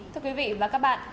thưa quý vị và các bạn